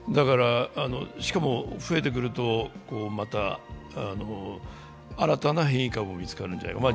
しかも増えてくると、また新たな変異株が見つかるんじゃないかと。